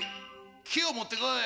きをもってこい！